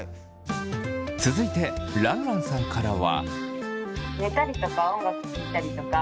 続いてらんらんさんからは。